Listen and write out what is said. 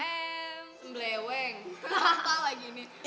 em meleweng kenapa kata lagi ini